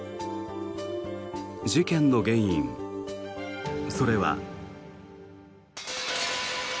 事件の原因、それは。